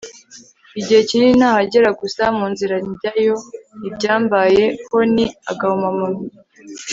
igihe kinini ntahagera gusa mu nzira njyayo ibyambaye ho ni agahumamunwa